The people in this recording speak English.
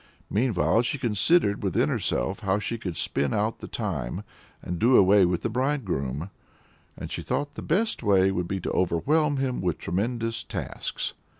Meanwhile she considered within herself how she could spin out the time and do away with the bridegroom, and she thought the best way would be to overwhelm him with tremendous tasks.